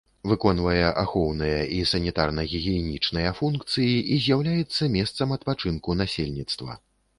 Выконвае ахоўныя і санітарна-гігіенічныя функцыі і з'яўляецца месцам адпачынку насельніцтва.